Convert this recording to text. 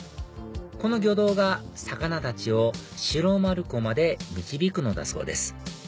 この魚道が魚たちを白丸湖まで導くのだそうです